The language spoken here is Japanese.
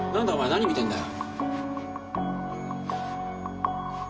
何見てんだよ？